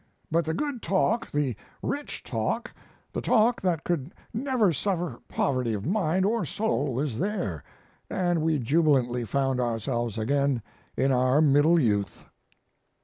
But the good talk, the rich talk, the talk that could never suffer poverty of mind or soul was there, and we jubilantly found ourselves again in our middle youth."